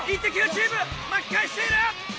チーム巻き返している！